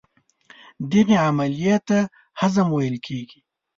دغې عملیې ته هضم ویل کېږي.